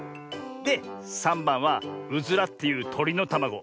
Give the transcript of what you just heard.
で３ばんはウズラっていうとりのたまご。